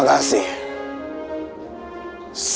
itu beberapa apa yang mau aguangkan